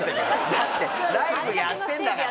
だってライブやってんだから。